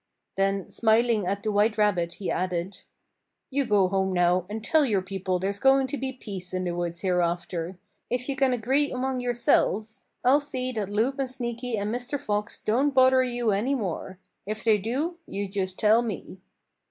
Then smiling at the white rabbit he added: "You go home now and tell your people there's going to be peace in the woods hereafter. If you can agree among yourselves, I'll see that Loup and Sneaky and Mr. Fox don't bother you any more. If they do you just tell me."